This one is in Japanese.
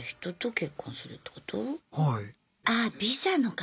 はい。